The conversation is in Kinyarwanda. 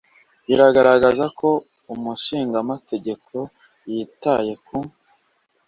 Bigaragaza ko Umushingamategeko yitaye ku